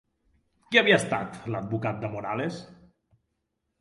Qui havia estat l'advocat de Morales?